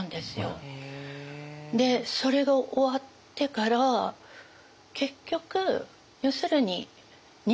それが終わってから結局要するになるほど。